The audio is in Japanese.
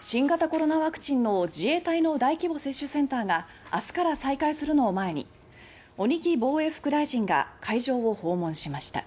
新型コロナワクチンの自衛隊の大規模接種センターが明日から再開するのを前に鬼木防衛副大臣が会場を訪問しました。